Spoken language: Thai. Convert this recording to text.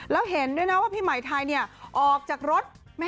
แล้วเห็นด้วยนะว่าพี่ใหม่ไทยออกจากรถ